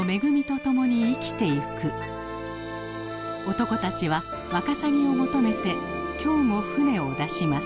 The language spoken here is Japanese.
男たちはワカサギを求めて今日も船を出します。